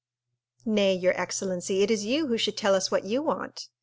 "Nay, your excellency, it is you who should tell us what you want.